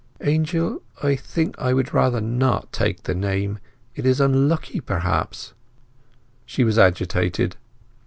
"Angel, I think I would rather not take the name! It is unlucky, perhaps!" She was agitated.